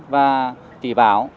và chỉ bảo